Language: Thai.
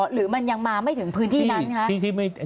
หรือมันยังมาไม่ถึงพื้นที่นั้นคะ